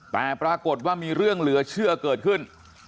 แต่ปรากฏว่ามีเรื่องเหลือเชื่อเกิดขึ้น